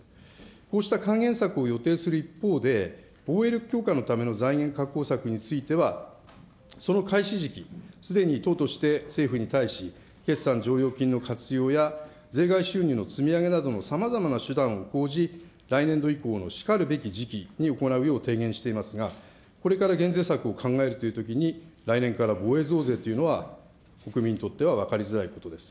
こうした還元策を予定する一方で、防衛力強化のための財源確保策については、その開始時期、すでに党として政府に対し、決算剰余金の活用や、税外収入の積み上げなどのさまざまな手段を講じ、来年度以降のしかるべき時期に行うよう提言していますが、これから減税策を考えるというときに、来年から防衛増税というのは、国民にとっては分かりづらいことです。